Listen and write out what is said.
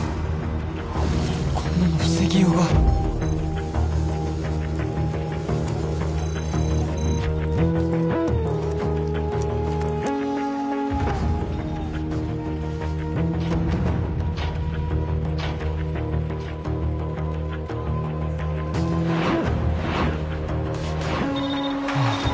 こんなの防ぎようがあ